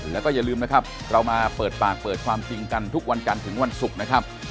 แล้วก็อย่าลืมนะครับเรามาเปิดปากเปิดความจริงกันทุกวันจันทร์ถึงวันศุกร์นะครับ